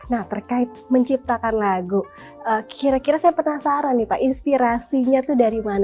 nah terkait menciptakan lagu kira kira saya penasaran nih pak inspirasinya itu dari mana